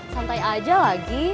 santai aja lagi